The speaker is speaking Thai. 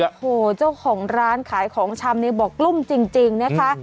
โอ้โหเจ้าของร้านขายของชำนี้บอกกลุ้มจริงนะคะ